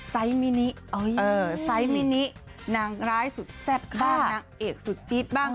ไซส์มินิไซส์มินินางร้ายสุดแซ่บบ้างนางเอกสุดจี๊ดบ้าง